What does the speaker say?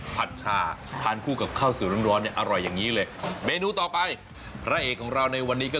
ผัดชาทานคู่กับข้าวสวยร้อนเนี่ย